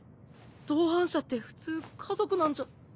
同伴者って普通家族なんじゃ。